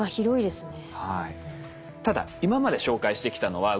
はい。